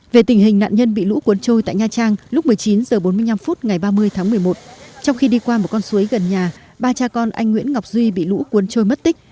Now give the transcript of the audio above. về tình hình nạn nhân bị lũ cuốn trôi tại nha trang lúc một mươi chín h bốn mươi năm phút ngày ba mươi tháng một mươi một trong khi đi qua một con suối gần nhà ba cha con anh nguyễn ngọc duy bị lũ cuốn trôi mất tích